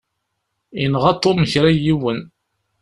Yenɣa Tom kra n yiwen.